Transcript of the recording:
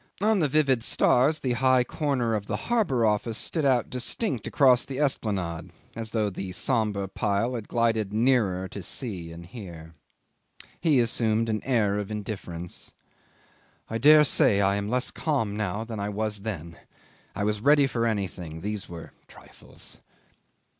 On the vivid stars the high corner of the Harbour Office stood out distinct across the Esplanade, as though the sombre pile had glided nearer to see and hear. 'He assumed an air of indifference. '"I dare say I am less calm now than I was then. I was ready for anything. These were trifles.